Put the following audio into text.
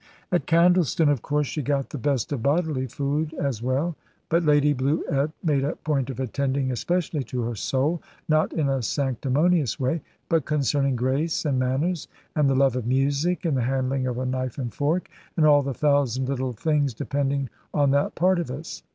At Candleston, of course, she got the best of bodily food as well; but Lady Bluett made a point of attending especially to her soul, not in a sanctimonious way, but concerning grace, and manners, and the love of music, and the handling of a knife and fork, and all the thousand little things depending on that part of us.